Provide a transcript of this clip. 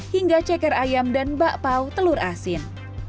hingga ceker ayam dan bakpao telur asin